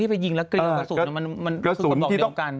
ที่ไปยิงแล้วกรี๊งกระสุนมันคือกระบอกเดียวกัน